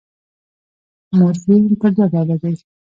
مورفیم پر دوه ډوله دئ.